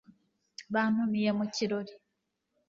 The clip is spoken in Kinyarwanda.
bantumiye mu kirori